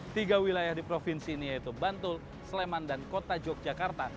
tiga wilayah di provinsi ini yaitu bantul sleman dan kota yogyakarta